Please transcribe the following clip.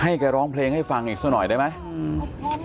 ให้กัยร้องเพลงให้ฟังอีกสักหน่อยได้ไหมหลังจากเพลงเมื่อวาน